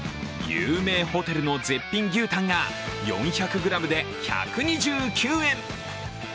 有名ホテルの絶品牛タンが４００ｇで１２９円。